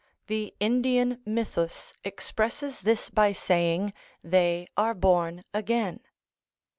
The Indian mythus expresses this by saying "they are born again."